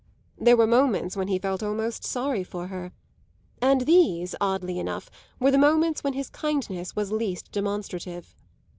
There were moments when he felt almost sorry for her; and these, oddly enough, were the moments when his kindness was least demonstrative.